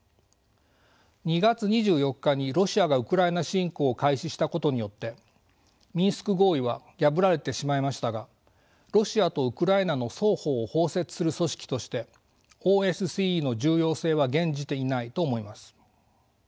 ２月２４日にロシアがウクライナ侵攻を開始したことによってミンスク合意は破られてしまいましたがロシアとウクライナの双方を包摂する組織としてＯＳＣＥの重要性は減じていないと思います。